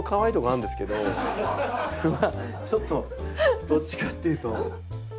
ちょっとどっちかっていうと。